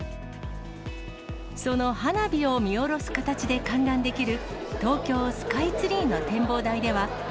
その花火を見下ろす形で観覧できる、東京スカイツリーの展望台では。